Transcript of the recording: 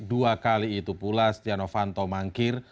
dua kali itu pula setia novanto mangkir